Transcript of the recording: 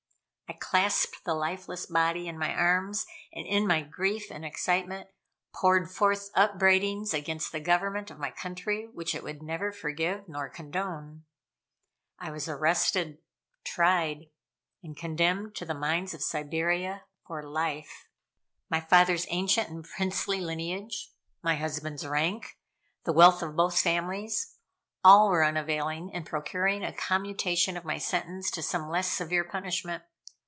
I clasped the lifeless body in my arms, and in my grief and excitement, poured forth upbraidings against the government of my country which it would never forgive nor condone. I was arrested, tried, and condemned to the mines of Siberia for life. My father's ancient and princely lineage, my husband's rank, the wealth of both families, all were unavailing in procuring a commutation of my sentence to some less severe punishment.